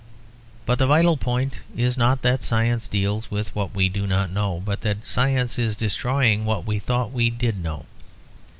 But the vital point is, not that science deals with what we do not know, but that science is destroying what we thought we did know.